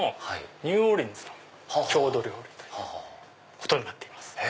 ニューオーリンズの郷土料理ということになっています。